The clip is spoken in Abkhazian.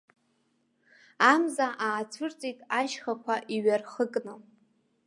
Амза аацәырҵит ашьхақәа иҩархыкны.